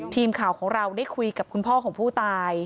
ทีมข่าวของเราได้คุยกับคุณพ่อของผู้ตาย